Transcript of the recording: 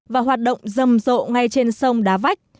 và hoạt động rầm rộ ngay trước